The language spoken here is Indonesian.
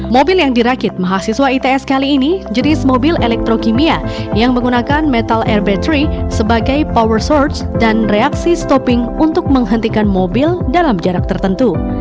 mobil yang dirakit mahasiswa its kali ini jenis mobil elektrokimia yang menggunakan metal air battery sebagai powersorge dan reaksi stopping untuk menghentikan mobil dalam jarak tertentu